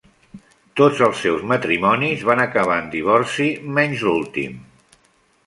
Tots els seus matrimonis van acabar en divorci menys l'últim.